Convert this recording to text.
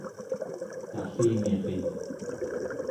Tallimirin